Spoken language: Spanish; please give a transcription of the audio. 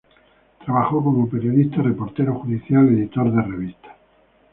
Trabajó como periodista, reportero judicial, editor de revistas.